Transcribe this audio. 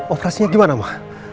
operasinya gimana ma